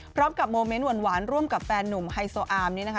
พร้อมกับมอเมนต์หวานร่วมกับแฟนหนุ่มไฮโซอามนี่นะฮะ